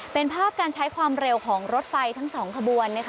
เป็นภาพการใช้ความเร็วของรถไฟทั้งสองขบวนนะคะ